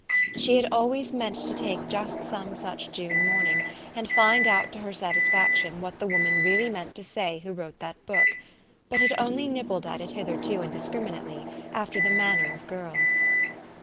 She had always meant to take just some such June morning, and find out to her satis faction what the woman really meant to say who wrote that book, but had only nibbled at it hitherto indiscriminately, after the manner of girls.